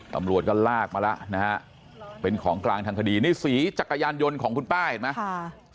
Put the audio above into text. ตำรวจก็ลากมาแล้วนะฮะเป็นของกลางทางคดีนี่สีจักรยานยนต์ของคุณป้าเห็นไหม